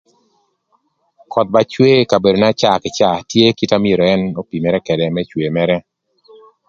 Köth ba cwe ï kabedona caa kï caa tye kit na myero ën opimere ködë më cwe mërë.